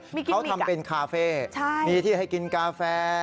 มีกิ้นอีกอ่ะมีที่ทำเป็นคาเฟ่มีที่ให้กินกาแฟ